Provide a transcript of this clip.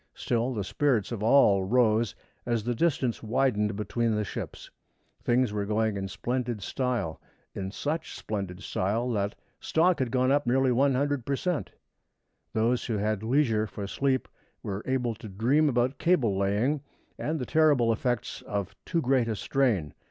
Still the spirits of all rose as the distance widened between the ships. Things were going in splendid style in such splendid style that "stock had gone up nearly 100 per cent." Those who had leisure for sleep were able to dream about cable laying and the terrible effects of too great a strain.